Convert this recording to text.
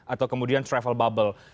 atau kemudian travel bubble